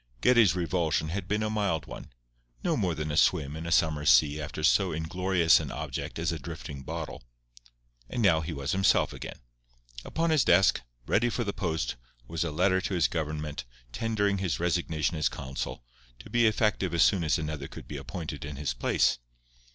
Geddie's revulsion had been a mild one—no more than a swim in a summer sea after so inglorious an object as a drifting bottle. And now he was himself again. Upon his desk, ready for the post, was a letter to his government tendering his resignation as consul, to be effective as soon as another could be appointed in his place.